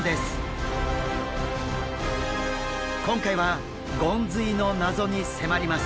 今回はゴンズイの謎に迫ります。